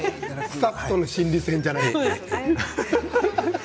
スタッフとの心理戦じゃないので。